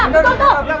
diam diam diam